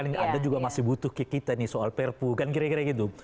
anda juga masih butuh ke kita nih soal perpu kan kira kira gitu